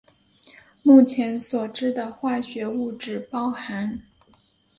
目前所知的化学物质包含。